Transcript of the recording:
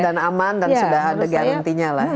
dan aman dan sudah ada garantinya lah